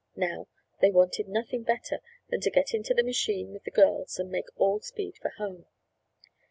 Now, they wanted nothing better than to get into the machine with the girls and make all speed for home.